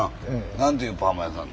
何ていうパーマ屋さん？